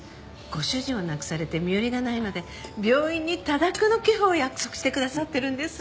ご主人を亡くされて身寄りがないので病院に多額の寄付を約束してくださってるんです。